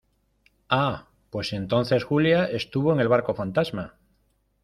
¡ ah! pues entonces Julia estuvo en el barco fantasma